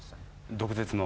毒舌の。